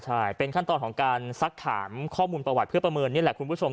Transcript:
ใช่เป็นขั้นตอนของการซักถามข้อมูลประวัติเพื่อประเมินนี่แหละคุณผู้ชม